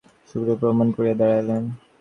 গুরুকে প্রণাম করিয়া দাঁড়াইলেন।